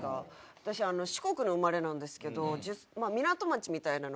私四国の生まれなんですけど港町みたいなのが